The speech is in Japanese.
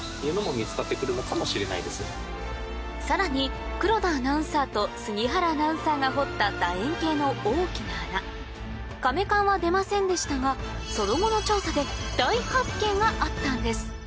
さらに黒田アナウンサーと杉原アナウンサーが掘った楕円形の大きな穴甕棺は出ませんでしたがその後の調査で大発見があったんです